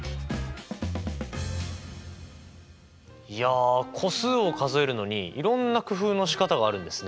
いや個数を数えるのにいろんな工夫のしかたがあるんですね。